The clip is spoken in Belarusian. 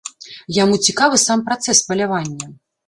Яму цікавы сам працэс палявання.